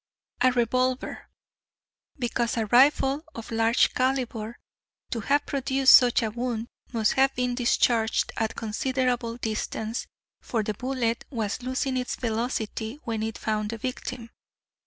"A revolver, because a rifle of large calibre, to have produced such a wound, must have been discharged at considerable distance, for the bullet was losing its velocity when it found the victim.